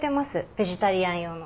ベジタリアン用の。